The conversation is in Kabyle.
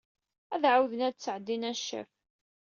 Ad ɛawden ad d-sɛeddin aneccaf.